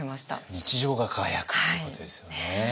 日常が輝くということですよね。